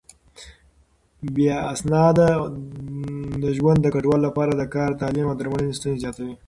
بې اسناده ژوند د کډوالو لپاره د کار، تعليم او درملنې ستونزې زياتوي.